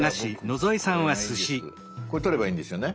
これ撮ればいいんですよね？